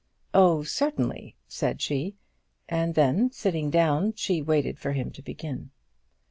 "Oh, certainly," said she; and then sitting down she waited for him to begin.